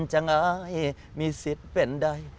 จะง่ายมีสิทธิ์เป็นใด